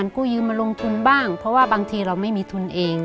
กู้ยืมมาลงทุนบ้างเพราะว่าบางทีเราไม่มีทุนเอง